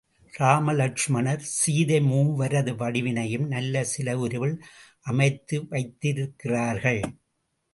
ராமன், லக்ஷ்மணர், சீதை மூவரது வடிவினையும் நல்ல சிலை உருவில் அமைத்து வைத்திருக்கிறார்கள்.